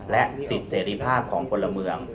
และสิทธิภาพของคนละเมือง